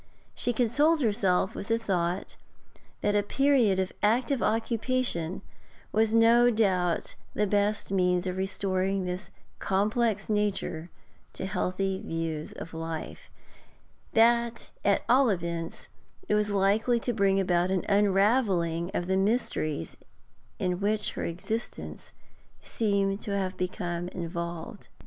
She consoled herself with the thought that a period of active occupation was no doubt the best means of restoring this complex nature to healthy views of life; that at all events it was likely to bring about an unravelling of the mysteries in which her existence seemed to have become involved.